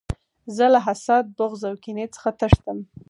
زه له حسد، بغض او کینې څخه تښتم.